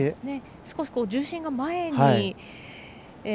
少し重心が前に。